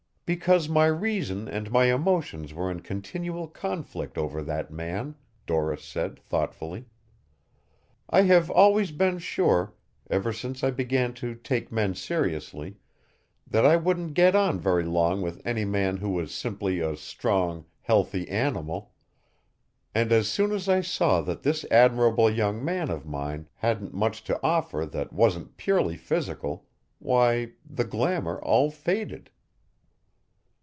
"Because my reason and my emotions were in continual conflict over that man," Doris said thoughtfully. "I have always been sure, ever since I began to take men seriously, that I wouldn't get on very long with any man who was simply a strong, healthy animal. And as soon as I saw that this admirable young man of mine hadn't much to offer that wasn't purely physical, why, the glamor all faded."